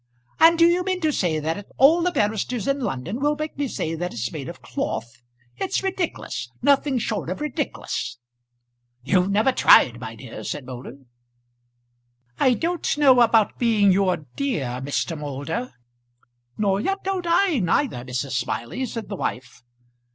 "And do you mean to say that all the barristers in London will make me say that it's made of cloth? It's ridic'lous nothing short of ridic'lous." "You've never tried, my dear," said Moulder. "I don't know about being your dear, Mr. Moulder " "Nor yet don't I neither, Mrs. Smiley," said the wife.